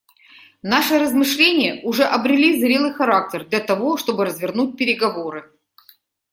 Наши размышления уже обрели зрелый характер для того, чтобы развернуть переговоры.